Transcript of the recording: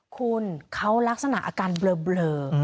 คุณเขาลักษณะอาการเบลอ